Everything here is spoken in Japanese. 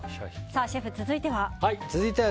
シェフ、続いては？